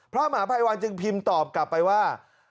พระมหาภัยวันจึงพิมพ์ตอบกลับไปว่า